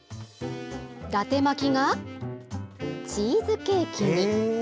だて巻きがチーズケーキに。